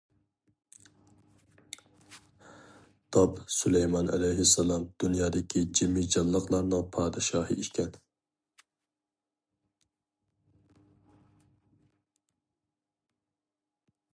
داپ سۇلايمان ئەلەيھىسسالام دۇنيادىكى جىمى جانلىقلارنىڭ پادىشاھى ئىكەن.